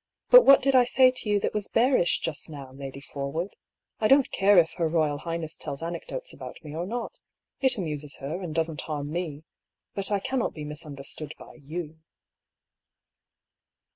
" But what did I say to you that was bearish just now, Lady Forwood? I don't care if her Koyal Highness tells anecdotes about me or not — it amuses her, and doesn't harm me. But I cannot be misunderstood by yow."